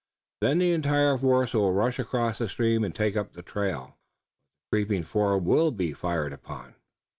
Then the entire force will rush across the stream and take up the trail." "But the creeping four will be fired upon."